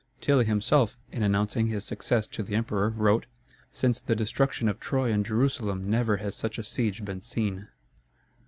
Tilly himself, in announcing his success to the emperor, wrote: "Since the destruction of Troy and Jerusalem never has such a siege been seen."